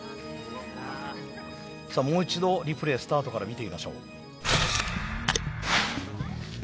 さあもう一度リプレースタートから見てみましょう。